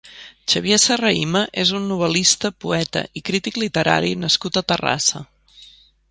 Xavier Serrahima és un novel·lista, poeta i crític literari nascut a Terrassa.